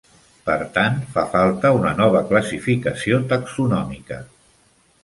Per tant, fa falta una nova classificació taxonòmica.